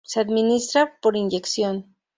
Se administra por inyección.